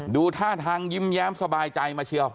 ดูท่าทางยิ้มแย้มสบายใจมาเชียว